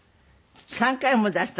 ３回も出した。